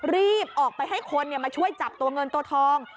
รีบออกไปให้คนมาช่วยจับตัวเงินตัวทอง